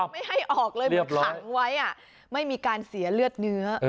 ไม่ให้ออกเลยมันขังไว้ไม่มีการเสียเลือดเนื้อ